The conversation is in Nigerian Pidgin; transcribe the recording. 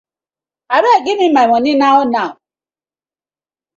Abeg giv me my money now now.